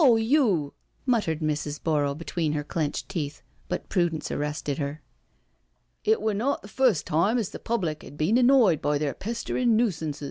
Ho you .•." muttered Mrs. Borrow between her clenched teeth, but prudence arrested her. " It were not the first time as the public 'ad been annoyed by their pesterin' noosance.